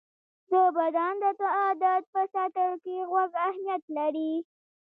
د بدن د تعادل په ساتنه کې غوږ اهمیت لري.